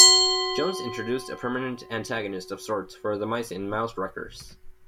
Jones introduced a permanent "antagonist" of sorts for the mice in "Mouse Wreckers".